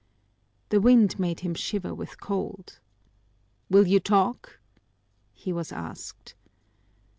The wind made him shiver with cold. "Will you talk?" he was asked.